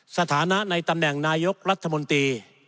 สถานะในตำแหน่งนายกรัฐมนตรี